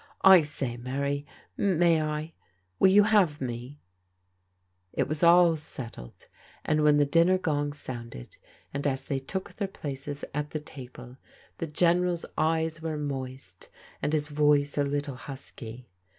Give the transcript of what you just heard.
1 ssLy, Mary, may I? Witt youYi^N^ xofcl^* 274 PRODIGAL DAUGHTEBS It was all settled, and when the dinner gong sounded and as they took their places at the table the General's eyes were moist and his voice a little husky.